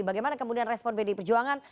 bagaimana kemudian respon pdi perjuangan